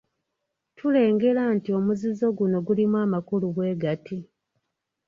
Tulengera nti omuzizo guno gulimu amakulu bwe gati.